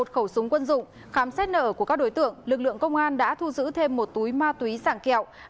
một khẩu súng quân dụng khám xét nợ của các đối tượng lực lượng công an đã thu giữ thêm một túi ma túy sạng kẹo